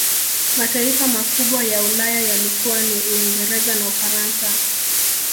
Mataifa makubwa ya Ulaya yalikuwa ni Uingereza na Ufaransa